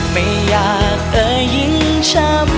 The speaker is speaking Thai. ไม่อยากเออยิ่งช้ำ